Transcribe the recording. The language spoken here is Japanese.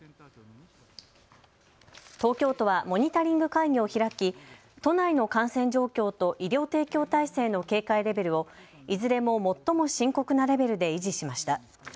東京都はモニタリング会議を開き都内の感染状況と医療提供体制の警戒レベルをいずれも最も深刻なレベルで維持しました。